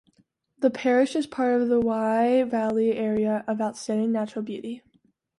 The parish is part of the Wye Valley Area of Outstanding Natural Beauty.